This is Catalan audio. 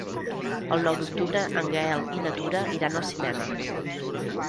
El nou d'octubre en Gaël i na Tura iran al cinema.